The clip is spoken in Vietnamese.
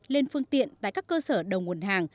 lên phương tiện tại các cơ sở đầu nguồn hàng